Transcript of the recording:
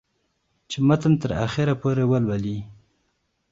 چې متن تر اخره پورې ولولي